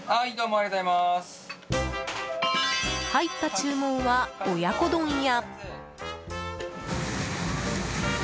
入った注文は親子丼や。